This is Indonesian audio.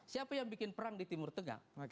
siapa yang bikin perang di timur tengah